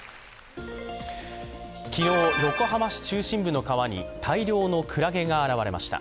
昨日、横浜市中心部の川に大量のクラゲが現れました。